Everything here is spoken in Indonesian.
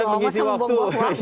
mengisi waktu dong